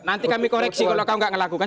nanti kami koreksi kalau kau enggak melakukan